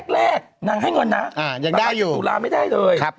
แรกนางให้เงินนาอ่ะยังได้อยู่ตุลาไม่ได้เลย